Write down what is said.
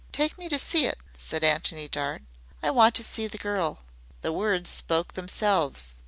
"Take me to see it," said Antony Dart. "I want to see the girl." The words spoke themselves.